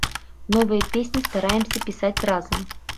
Новыя песні стараемся пісаць разам.